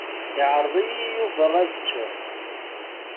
Iɛreḍ-iyi Yuba ad ččeɣ.